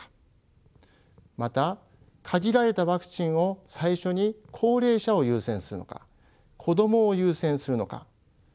また限られたワクチンを最初に高齢者を優先するのか子供を優先するのか。